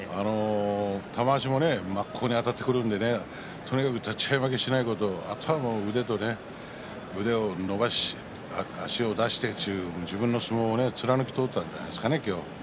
玉鷲も真っ向にあたってくるのでとにかく立ち合い負けしないこと頭、腕と腕を伸ばし足を出して自分の相撲を貫き通したんじゃないですかね、今日は。